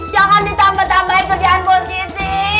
jangan ditambah tambahin kerjaan posisi